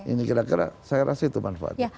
ini kira kira saya rasa itu manfaatnya